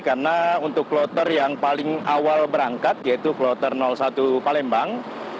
karena untuk kloter yang paling awal berangkat yaitu kloter satu palembang